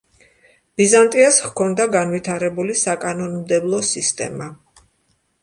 ბიზანტიას ჰქონდა განვითარებული საკანონმდებლო სისტემა.